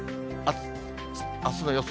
あすの予想